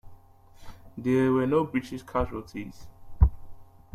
There were no British casualties.